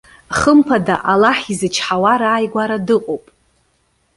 Хымԥада, Аллаҳ изычҳауа рааигәара дыҟоуп.